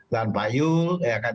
dan pak yul ya kan